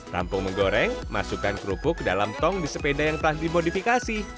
rampung menggoreng masukkan kerupuk ke dalam tong di sepeda yang telah dimodifikasi